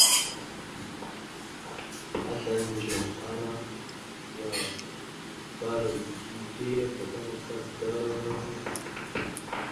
Asla ndzoh, ala: « Yaw, bbarav ge dede ya abakana akadda. ».